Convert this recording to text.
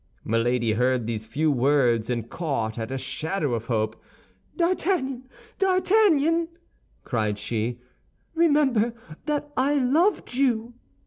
Milady heard these few words and caught at a shadow of hope. "D'Artagnan, D'Artagnan!" cried she; "remember that I loved you!"